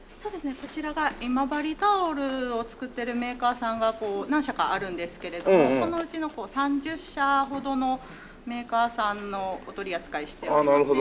こちらが今治タオルを作ってるメーカーさんが何社かあるんですけれどもそのうちの３０社ほどのメーカーさんのお取り扱いしておりますね。